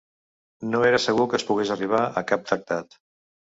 No era segur que es pogués arribar a cap tractat.